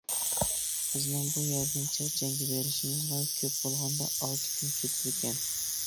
بىزنىڭ بۇ يەردىن چەرچەنگە بېرىشىمىزغا كۆپ بولغاندا ئالتە كۈن كېتىدىكەن.